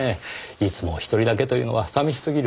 いつも１人だけというのは寂しすぎる。